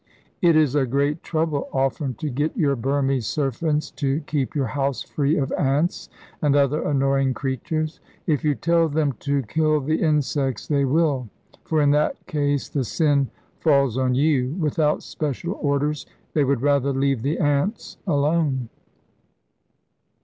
It is a great trouble often to get your Burmese servants to keep your house free of ants and other annoying creatures. If you tell them to kill the insects they will, for in that case the sin falls on you. Without special orders they would rather leave the ants alone.